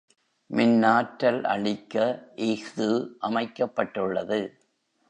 மின்னாற்றல் அளிக்க இஃது அமைக்கப்பட்டுள்ளது.